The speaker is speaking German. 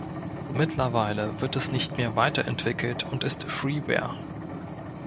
Mittlerweile wird es nicht mehr weiterentwickelt und ist Freeware.